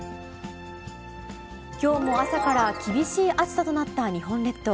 きょうも朝から厳しい暑さとなった日本列島。